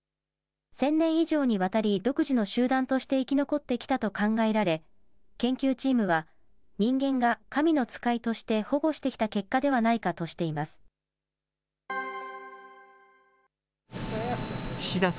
１０００年以上にわたり、独自の集団として生き残ってきたと考えられ、研究チームは、人間が神の使いとして保護してきた結果ではないかとしています。